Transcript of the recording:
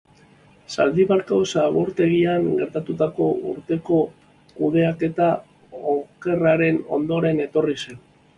Zaldibarko zabortegian gertatutakoa urtetako kudeaketa okerraren ondoren etorri zen.